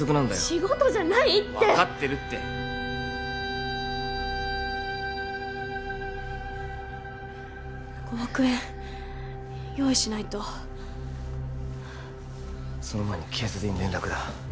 仕事じゃないって分かってるって５億円用意しないとその前に警察に連絡だ